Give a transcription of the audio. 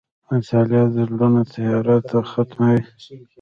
• مطالعه د زړونو تیاره ختموي.